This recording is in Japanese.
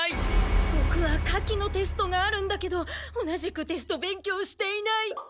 ボクは火器のテストがあるんだけど同じくテスト勉強していない。